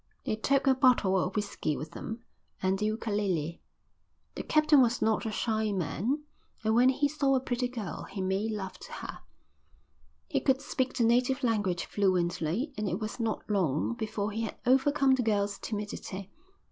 They took a bottle of whisky with them and the ukalele. The captain was not a shy man and when he saw a pretty girl he made love to her. He could speak the native language fluently and it was not long before he had overcome the girl's timidity.